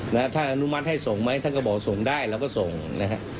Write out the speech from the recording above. ท่านอนุมัติให้ส่งไหมท่านก็บอกส่งได้เราก็ส่งนะฮะ